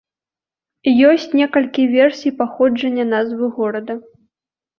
Ёсць некалькі версій паходжання назвы горада.